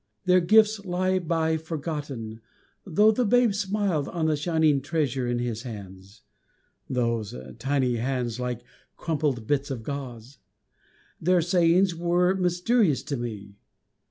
Their gifts lie by forgotten, though the Babe Smiled on the shining treasure in his hands. (Those tiny hands like crumpled bits of gauze) Their sayings were mysterious to me.